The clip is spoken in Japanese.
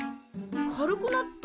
軽くなった？